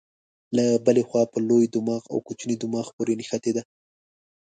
له بلې خوا په لوی دماغ او کوچني دماغ پورې نښتې ده.